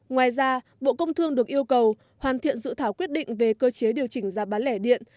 ngoài ra bộ công thương được yêu cầu hoàn thiện dự thảo quyết định về cơ chế điều chỉnh giá bán lẻ điện